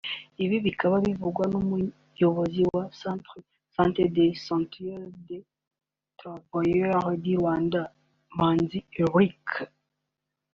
Ibi bikaba bivugwa n’umuyobozi wa Cestrar (Centre des syndicats des travailleurs du Rwanda) Manzi Eric